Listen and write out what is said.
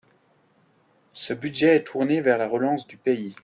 Ce budget est tourné vers la relance du pays.